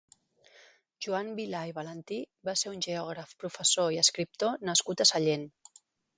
Joan Vilà i Valentí va ser un geògraf, professor i escriptor nascut a Sallent.